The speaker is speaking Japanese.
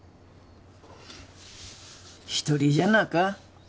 一人じゃなか。